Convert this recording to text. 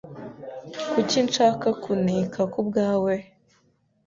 Kuki nshaka kuneka kubwawe?